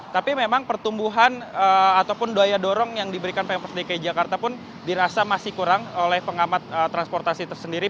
tapi memang pertumbuhan ataupun daya dorong yang diberikan pemprov dki jakarta pun dirasa masih kurang oleh pengamat transportasi tersendiri